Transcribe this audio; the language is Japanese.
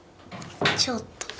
ちょっと。